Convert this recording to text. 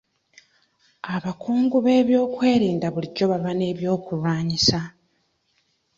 Abakungu b'ebyokwerinda bulijjo baba n'ebyokulwanyisa.